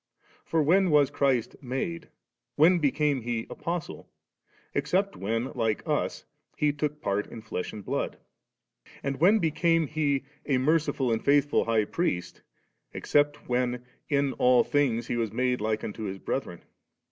for when was Christ 'made,' when became He I Apostle,' except when, like us, He ' took part in flesh and blood?' And when became He 'a merciful and faithful High Priest,' except when 'in all things He was made like unto His brethren